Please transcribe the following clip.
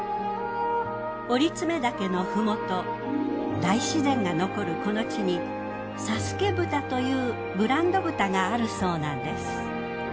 折爪岳のふもと大自然が残るこの地に佐助豚というブランド豚があるそうなんです。